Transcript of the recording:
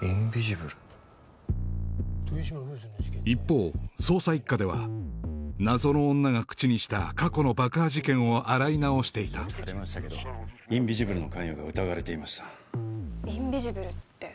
一方捜査一課では謎の女が口にした過去の爆破事件を洗い直していたインビジブルの関与が疑われていましたインビジブルって？